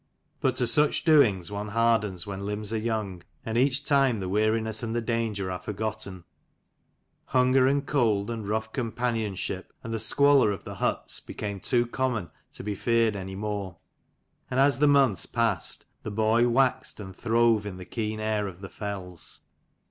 But to such doings one hardens when limbs are young, and each time the weariness and the danger are forgotten. Hunger and cold, and rough com panionship, and the squalor of the huts became too common to be feared any more. And as the months passed, the boy waxed and throve in the keen air of the fells.